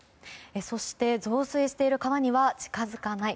そして、増水している川には近づかない。